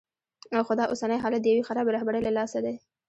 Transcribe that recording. خو دا اوسنی حالت د یوې خرابې رهبرۍ له لاسه دی.